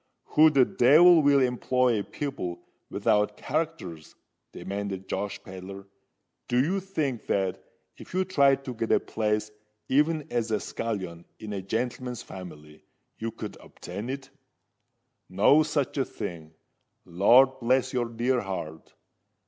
"Who the devil will employ people without characters?" demanded Josh Pedler. "Do you think that if you tried to get a place even as a scullion in a gentleman's family, you could obtain it? No such a thing. Lord bless your dear heart!